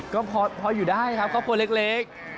ก็พออยู่ได้ครับครอบครัวเล็ก